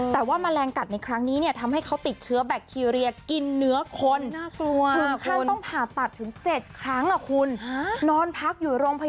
แต่ว่าแมลงกัดในครั้งนี้เนี่ยทำให้เขาติดเชื้อแบคทีเรียกินเนื้อคน